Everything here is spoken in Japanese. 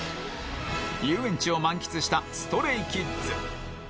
遊園地を満喫した ＳｔｒａｙＫｉｄｓ